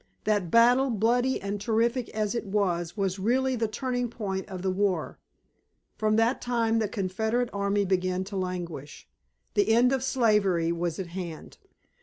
That battle, bloody and terrific as it was, was really the turning point of the war. From that time the Confederate army began to languish. The end of slavery was at hand.